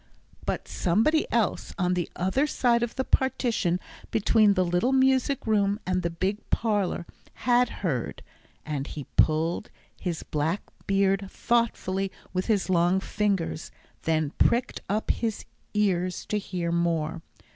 But somebody else, on the other side of the partition between the little music room and the big parlour, had heard, and he pulled his black beard thoughtfully with his long fingers, then pricked up his ears to hear more.